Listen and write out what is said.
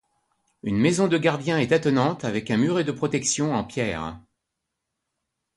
Une maison de gardien est attenante avec un muret de protection en pierre.